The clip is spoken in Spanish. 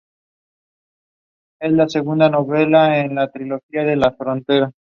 Es conocido como una futura estrella para jamaica, recientemente fichado por Liga Deportiva Alajuelense.